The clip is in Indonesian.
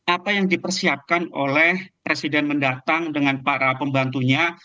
apa yang dipersiapkan oleh presiden mendatang dengan para pembantunya